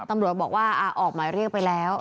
ตำรวจบอกว่าออกหมายเรียกไปแล้ว